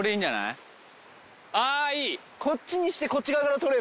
あいい！